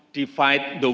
kita tidak harus